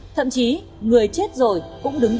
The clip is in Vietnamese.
thậm chí người chết rồi cũng đứng đơn